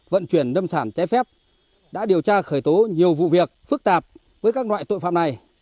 vận chuyển lâm sản trái phép đã điều tra khởi tố nhiều vụ việc phức tạp với các loại tội phạm này